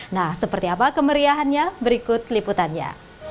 nah seperti apa kemeriahannya berikut liputannya